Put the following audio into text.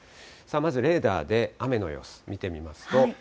まずレーダーで雨の様子、見てみますと。